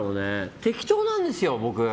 適当なんですよ、僕。